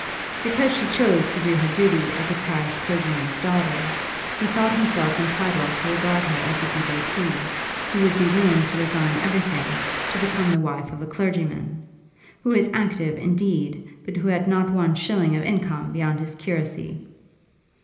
Because she chose to do her duty as a parish clergyman's daughter, he thought himself entitled to regard her as devotée, who would be willing to resign everything to become the wife of a clergyman, who was active, indeed, but who had not one shilling of income beyond his curacy.